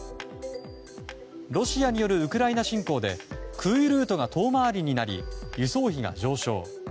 ロシアによるウクライナ侵攻で空輸ルートが遠回りになり輸送費が上昇。